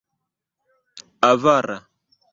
Avara.